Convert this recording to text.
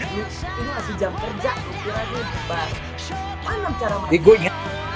berasa di tanahmur jangan dulu diketat nek pink